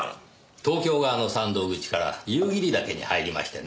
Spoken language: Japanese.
東京側の山道口から夕霧岳に入りましてね